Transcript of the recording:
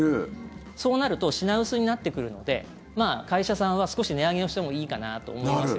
そうなると品薄になってくるので会社さんは少し値上げをしてもいいかなとなる！